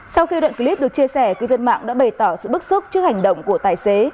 sau khi đoạn clip được chia sẻ cư dân mạng đã bày tỏ sự bức xúc trước hành động của tài xế